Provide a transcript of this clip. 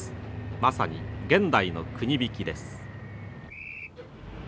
まさに現代の国引きです。